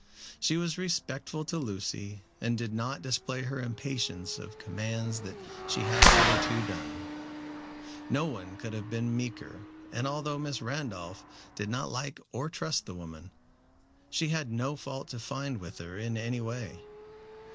She was respectful to Lucy, and did not display her impatience of commands that she had hitherto done. No one could have been meeker, and although Miss Randolph did not like or trust the woman, she had no fault to find with her in any way.